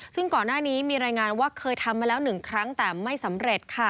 ซึ่งก่อนหน้านี้มีรายงานว่าเคยทำมาแล้ว๑ครั้งแต่ไม่สำเร็จค่ะ